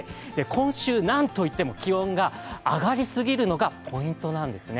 今週、なんといっても気温が上がりすぎるのがポイントなんですね。